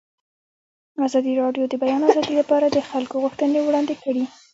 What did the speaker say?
ازادي راډیو د د بیان آزادي لپاره د خلکو غوښتنې وړاندې کړي.